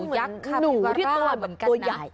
น่ารักเนอะหนูที่ตัวเหมือนตัวใหญ่